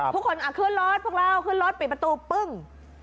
คนขึ้นรถพวกเราขึ้นรถปิดประตูปึ้ง